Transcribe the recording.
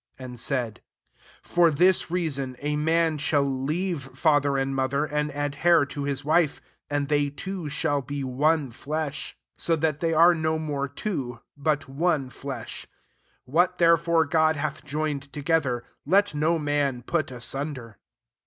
5 and said, < For this reaaony a man shall leave father and mother, and adhere to his wife : and they two shall be one flesh :* 6 so that they are no more two ; but one flesh. What, therefore, God hath joined together, let no man put asunder.